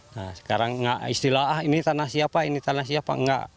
nah sekarang istilah ah ini tanah siapa ini tanah siapa enggak